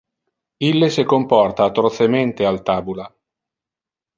Ille se comporta atrocemente al tabula.